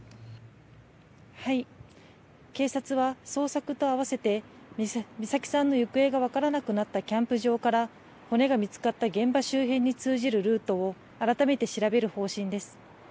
警察は、捜索と合わせて美咲さんの行方が分からなくなったキャンプ場から、骨が見つかった現場周辺に通じるルートを、改めて調べる方針です。